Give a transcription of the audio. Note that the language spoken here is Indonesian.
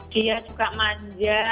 dia juga manja